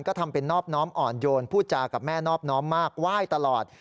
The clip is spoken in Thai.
ก็ทำเป็นนอบน้อมอ่อนโยนพูดจากับแม่นอบน้อมมากไหว้ตลอด